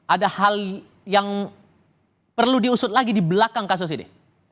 ada hal yang perlu diusut lagi di belakang kasus ini